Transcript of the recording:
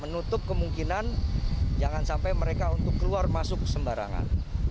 menutup kemungkinan jangan sampai mereka untuk keluar masuk sembarangan